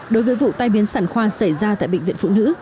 đối với vụ tai biến sản khoa xảy ra tại bệnh viện phụ nữ